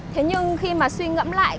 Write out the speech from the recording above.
thế nhưng khi mà suy ngẫm lại